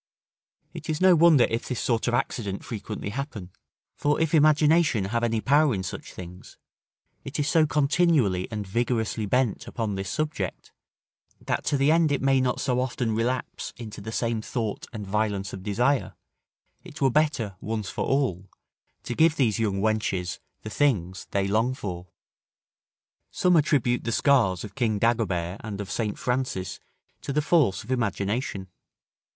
It is no wonder if this sort of accident frequently happen; for if imagination have any power in such things, it is so continually and vigorously bent upon this subject, that to the end it may not so often relapse into the same thought and violence of desire, it were better, once for all, to give these young wenches the things they long for. Some attribute the scars of King Dagobert and of St. Francis to the force of imagination.